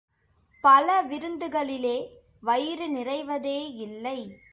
பல விருந்துகளிலே, வயிறு நிறைவதே இல்லை!